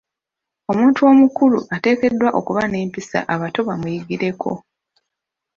Omuntu omukulu ateekeddwa okuba n'empisa abato bamuyigireko